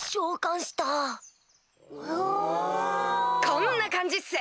こんな感じっす！